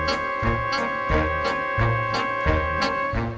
ไข่ไก่โอเยี่ยมอ้างอร่อยแท้อยากกิน